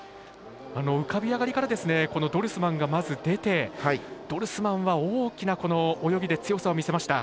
浮かび上がりからドルスマンがまず出て大きな泳ぎで強さを見せました。